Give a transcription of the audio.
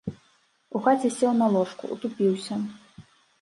У хаце сеў на ложку, утупіўся.